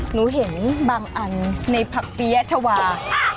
หนูเห็นบางอันในผักเปี๊ยะชาวา